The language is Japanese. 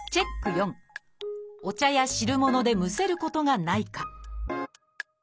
４お茶や汁物でむせることがないか。